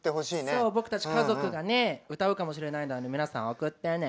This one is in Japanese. そう僕たち家族がね歌うかもしれないので皆さん送ってね。